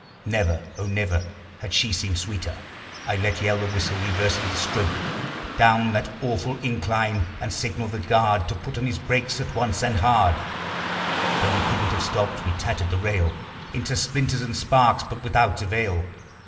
Never, O never, had she seemed sweeter! I let yell the whistle, reversing the stroke, Down that awful incline; and signalled the guard To put on his brakes at once, and HARD! Though we couldn't have stopped. We tattered the rail Into splinters and sparks, but without avail.